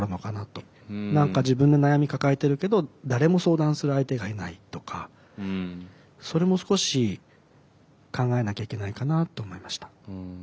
何か自分で悩み抱えてるけど誰も相談する相手がいないとかそれも少し考えなきゃいけないかなって思いました。